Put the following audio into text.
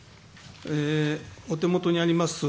お手元にあります